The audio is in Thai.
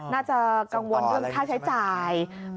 น่าจะกังวลด้วยค่าใช้จ่าย